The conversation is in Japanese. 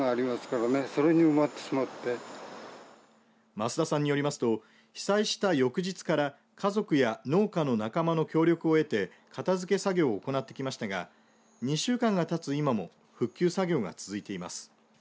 増田さんによりますと被災した翌日から家族や農家の仲間の協力を得て片づけ作業を行ってきましたが２週間がたつ今も復旧作業が続いています。